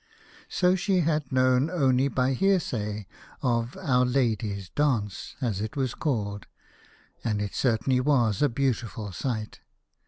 So she had known only by hearsay of " Our Lady's Dance," as it was called, and it certainly was a beautiful sight.